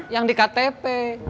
yang di ktp